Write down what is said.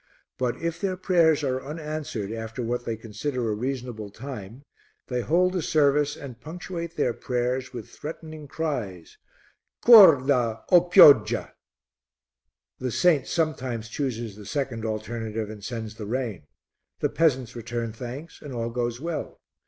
But if their prayers are unanswered after what they consider a reasonable time, they hold a service and punctuate their prayers with threatening cries "Corda, o pioggia!" The saint sometimes chooses the second alternative and sends the rain the peasants return thanks, and all goes well.